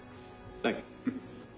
はい。